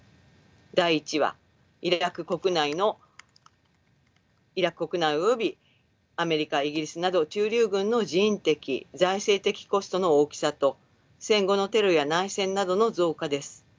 第１はイラク国内およびアメリカイギリスなど駐留軍の人的財政的コストの大きさと戦後のテロや内戦などの増加です。